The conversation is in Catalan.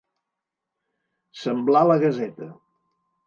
Semblar la gaseta.